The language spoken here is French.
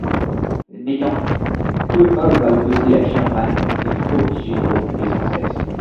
N'ayant que hommes à opposer à Sherman, il fut obligé de reculer sans cesse.